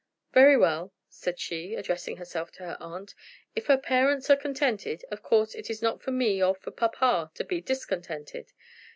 "Very well," said she, addressing herself to her aunt; "if her parents are contented, of course it is not for me or for papa to be discontented.